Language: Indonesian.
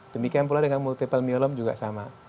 demikian pula dengan multiple mielom juga sama